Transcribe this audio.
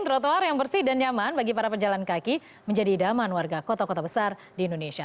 trotoar yang bersih dan nyaman bagi para pejalan kaki menjadi idaman warga kota kota besar di indonesia